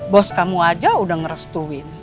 bos kamu aja udah ngerestuin